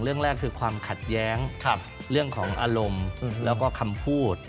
เรื่องแรกคือความขัดแย้งเรื่องของอารมณ์แล้วก็คำพูด